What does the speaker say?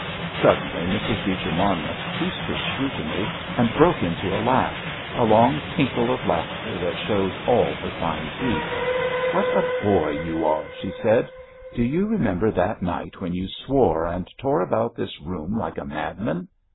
Suddenly Mrs. Beecher Monmouth ceased her scrutiny and broke into a laugh, a long tinkle of laughter that showed all her fine teeth. "What a boy you are," she said. "Do you remember that night when you swore and tore about this room like a madman?"